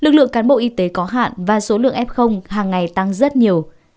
thượng cán bộ y tế có hạn và số lượng f hàng ngày tăng rất nhiều